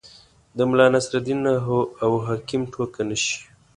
د ملا نصرالدین او حاکم ټوکه نه شي.